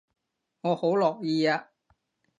我好樂意啊